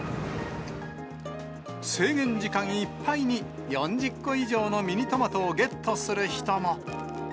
制限時間いっぱいに、４０個以上のミニトマトをゲットする人も。